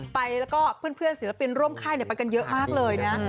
ไปแล้วก็เพื่อนศิลปินร่วมค่ายไปกันเยอะมากเลยนะ